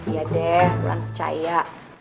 iya deh belan kecaya